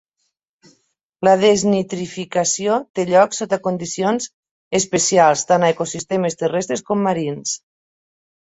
La desnitrificació té lloc sota condicions especials tant a ecosistemes terrestres com marins.